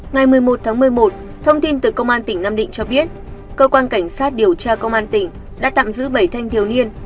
ngày một mươi một tháng một mươi một thông tin từ công an tỉnh nam định cho biết cơ quan cảnh sát điều tra công an tỉnh đã tạm giữ bảy thanh thiếu niên